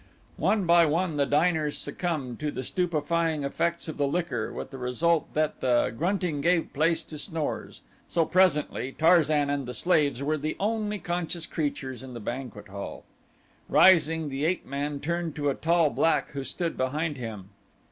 One by one the diners succumbed to the stupefying effects of the liquor with the result that the grunting gave place to snores, so presently Tarzan and the slaves were the only conscious creatures in the banquet hall. Rising, the ape man turned to a tall black who stood behind him.